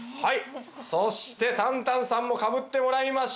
そしてたんたんさんもかぶってもらいましょう。